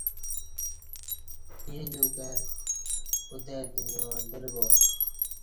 ییں دیوکں خدا دنیا اندرہ با